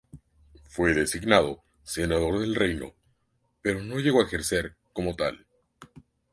Fue designado senador del Reino, pero no llegó a ejercer como tal.